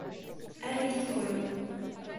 È ridicolo!